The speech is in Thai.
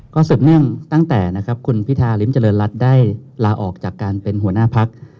ก็สืบเนื่องตั้งแต่นะครับคุณพิธาริมเจริญรัฐได้ลาออกจากการเป็นหัวหน้าพัก